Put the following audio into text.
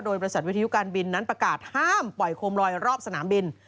โดยบริษัทวิทยุการบินนั้นประกาศห้ามปล่อยโคมลอยรอบสนามบิน